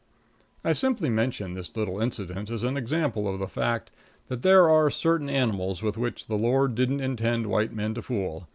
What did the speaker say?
I simply mention this little incident as an example of the fact that there are certain animals with which the Lord didn't intend white men to fool.